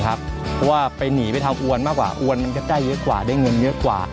เพราะว่าไปหนีไปทำอวนมากกว่าอวนมันก็ใกล้เยอะกว่าได้เงินเยอะกว่า